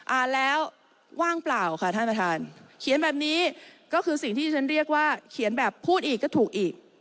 อ่านแล้วว่างเปล่าค่ะท่านประธานเขียนแบบนี้ก็คือสิ่งที่ฉันเรียกว่าเขียนแบบพูดอีกก็ถูกอีก